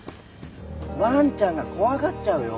わんちゃんが怖がっちゃうよ。